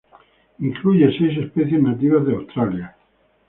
Incluye seis especies nativas de Australia.